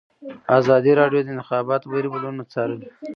ازادي راډیو د د انتخاباتو بهیر بدلونونه څارلي.